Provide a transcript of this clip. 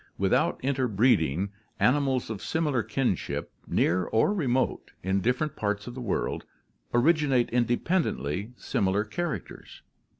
Without interbreeding, animals of similar kinship, near or remote, in different parts of the world originate independently similar characters.